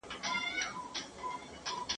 زه کولای سم سينه سپين وکړم؟!